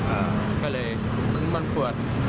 อ้างเพราะเลยมันมันปวด